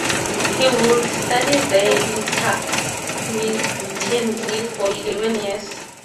He would study there intermittently for eleven years.